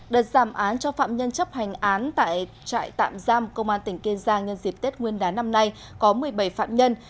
đợt giảm án cho phạm nhân chấp hành án tại trại tạm giam công an tỉnh kiên giang nhân dịp tết nguyên đán năm nay có một mươi bảy phạm nhân